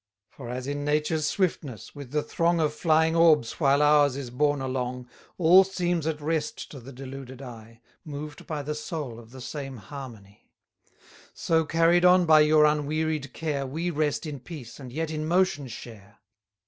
For, as in nature's swiftness, with the throng Of flying orbs while ours is borne along, All seems at rest to the deluded eye, Moved by the soul of the same harmony, So, carried on by your unwearied care, We rest in peace, and yet in motion share.